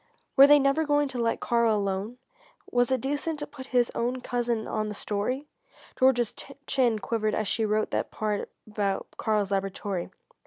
Were they never going to let Karl alone? Was it decent to put his own cousin on the story? Georgia's chin quivered as she wrote that part about Karl's laboratory.